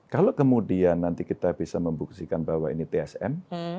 kalau kemudian nanti kita bisa membuktikan bahwa ini tsm